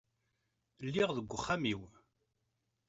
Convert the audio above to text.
Lliɣ deg uxxam-iw.